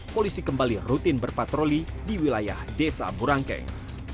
polisi kembali rutin berpatroli di wilayah desa burangkeng